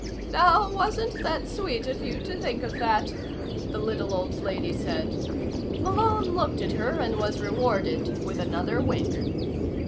"Now, wasn't that sweet of you to think of that," the little old lady said. Malone looked at her and was rewarded with another wink.